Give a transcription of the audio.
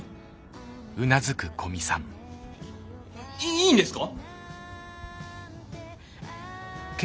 いいいんですか？